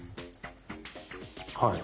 はい。